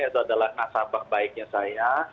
itu adalah nasabah baiknya saya